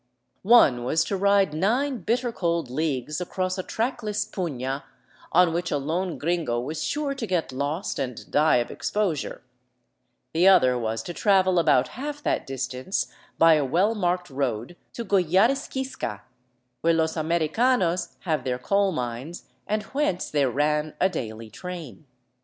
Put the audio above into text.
One was to ride nine bitter cold leagues across a trackless puna, on which a lone gringo was sure to get lost and die of exposure; the other was to travel about half that dis tance by a well marked road to Goyllarisquisca, where los americanos have their coal mines and whence there ran a daily train.